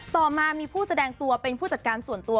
ต่อมามีผู้แสดงตัวเป็นผู้จัดการส่วนตัว